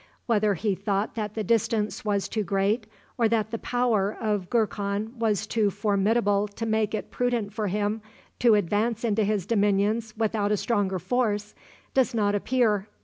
Whether he thought that the distance was too great, or that the power of Gurkhan was too formidable to make it prudent for him to advance into his dominions without a stronger force, does not appear.